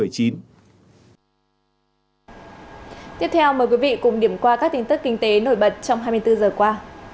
tiếp theo mời quý vị cùng điểm qua các tin tức kinh tế nổi bật trong hai mươi bốn giờ qua